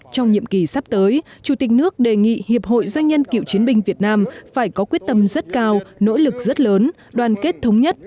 trong nhiệm kỳ sắp tới chủ tịch nước đề nghị hiệp hội doanh nhân cựu chiến binh việt nam phải có quyết tâm rất cao nỗ lực rất lớn đoàn kết thống nhất